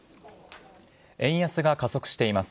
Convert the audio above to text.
円安が加速しています。